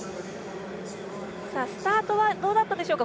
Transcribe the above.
スタートはどうだったでしょうか。